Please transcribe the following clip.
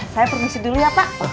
saya permisi dulu ya pak